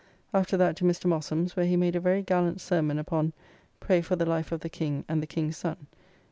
After that to Mr. Mossum's, where he made a very gallant sermon upon "Pray for the life of the King and the King's son."